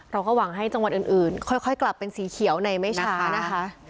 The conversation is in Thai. เราก็หวังให้จังหวัดอื่นค่อยกลับเป็นสีเขียวในไม่ช้านะคะ